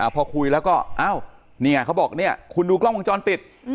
พอคุยแล้วก็อ้าวเนี่ยเขาบอกเนี่ยคุณดูกล้องวงจรปิด